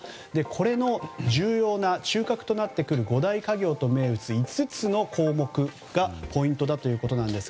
これの重要な中核となってくる５大課業と銘打つ５つの項目がポイントだということです。